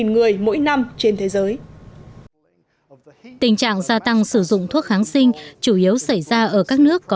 người mỗi năm trên thế giới tình trạng gia tăng sử dụng thuốc kháng sinh chủ yếu xảy ra ở các nước có